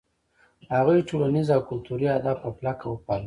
هغوی ټولنیز او کلتوري آداب په کلکه وپالـل.